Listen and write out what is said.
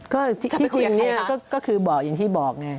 ก็ที่จริงก็คืออย่างที่บอกไง